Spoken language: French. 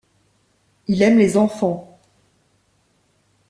Il aime les enfants.